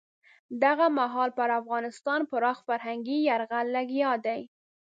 دغه مهال پر افغانستان پراخ فرهنګي یرغل لګیا دی.